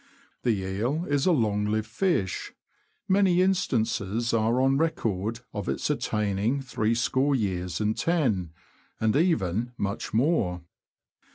The eel is a long lived fish. Many instances are on record of its attaining threescore years and ten, and even much more.